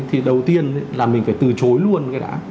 thì đầu tiên là mình phải từ chối luôn cái đã